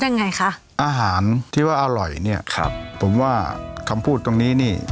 ยังไงคะอาหารที่ว่าอร่อยเนี่ยครับผมว่าคำพูดตรงนี้นี่